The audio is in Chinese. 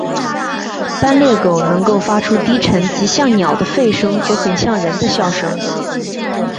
斑鬣狗能够发出低沉及像鸟的吠声和很像人的笑声。